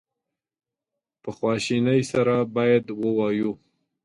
په خواشینی سره باید ووایو.